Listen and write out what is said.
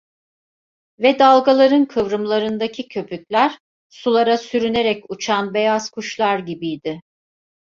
Ve dalgaların kıvrımlarındaki köpükler, sulara sürünerek uçan beyaz kuşlar gibiydi.